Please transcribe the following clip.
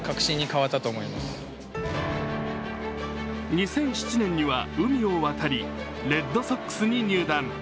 ２００７年には海を渡りレッドソックスに入団。